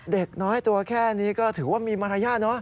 เด็กน้อยตัวแค่นี้ก็ถือว่ามีมารยาทเนอะ